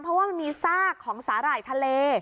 เพราะว่ามันมีซากของสาหร่ายทะเล